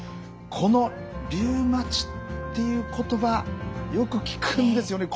このリウマチっていう言葉よく聞くんですよね。